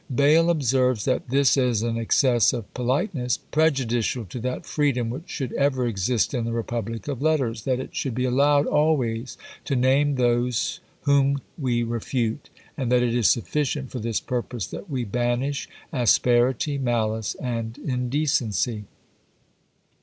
Bayle observes, that "this is an excess of politeness, prejudicial to that freedom which should ever exist in the republic of letters; that it should be allowed always to name those whom we refute; and that it is sufficient for this purpose that we banish asperity, malice, and indecency."